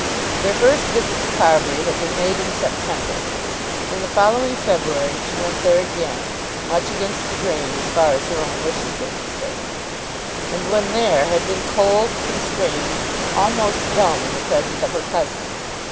Their first visit to Carbury had been made in September. In the following February she went there again, much against the grain as far as her own wishes were concerned; and when there had been cold, constrained, almost dumb in the presence of her cousin.